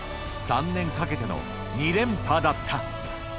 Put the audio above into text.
３年かけての、２連覇だった。